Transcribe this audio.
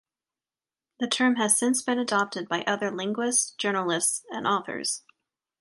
The term has since been adopted by other linguists, journalists, and authors.